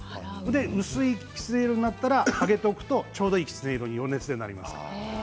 薄いきつね色になったら上げておくとちょうどいいきつね色に余熱でなりますから。